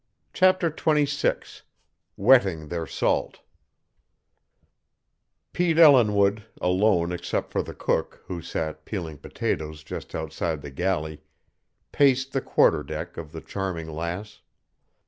CHAPTER XXVI WETTING THEIR SALT Pete Ellinwood, alone except for the cook, who sat peeling potatoes just outside the galley, paced the quarter deck of the Charming Lass.